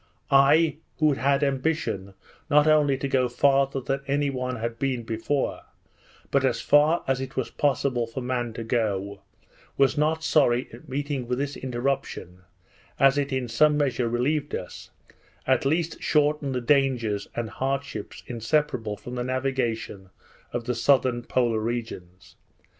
I, who had ambition not only to go farther than any one had been before, but as far as it was possible for man to go, was not sorry at meeting with this interruption, as it in some measure relieved us, at least shortened the dangers and hardships inseparable from the navigation of the southern polar regions.